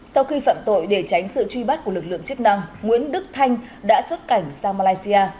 sau khi phạm tội để tránh sự truy bắt của lực lượng chức năng nguyễn đức thanh đã xuất cảnh sang malaysia